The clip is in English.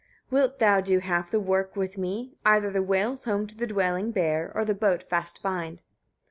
26. "Wilt thou do half the work with me, either the whales home to the dwelling bear, or the boat fast bind?"